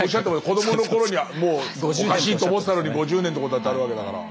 子どものころにはもうおかしいと思ってたのに５０年ってことだってあるわけだから。